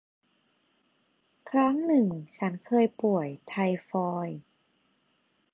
ครั้งหนึ่งฉันเคยป่วย ไทฟอยด์